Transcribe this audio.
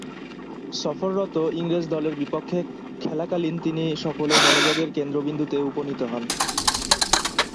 সফররত ইংরেজ দলের বিপক্ষে খেলাকালীন তিনি সকলের মনোযোগের কেন্দ্রবিন্দুতে উপনীত হন।